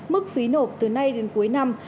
mức phí nộp từ nay đến cuối năm